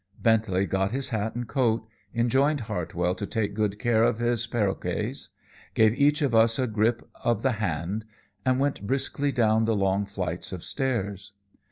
Bentley got his hat and coat, enjoined Hartwell to take good care of his perroquets, gave each of us a grip of the hand, and went briskly down the long flights of stairs.